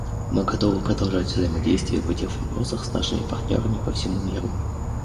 Мы готовы продолжать взаимодействие в этих вопросах с нашими партнерами по всему миру.